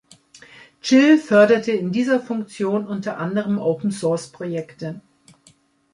Gil förderte in dieser Funktion unter anderem Open-Source-Projekte.